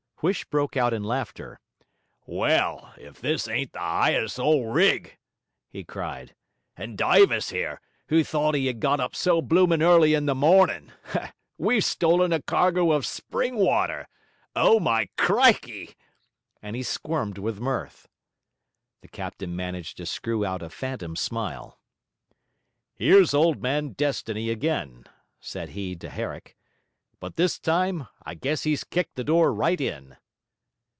Huish broke out in laughter. 'Well, if this ain't the 'ighest old rig!' he cried. 'And Dyvis, 'ere, who thought he had got up so bloomin' early in the mornin'! We've stolen a cargo of spring water! Oh, my crikey!' and he squirmed with mirth. The captain managed to screw out a phantom smile. 'Here's Old Man Destiny again,' said he to Herrick, 'but this time I guess he's kicked the door right in.'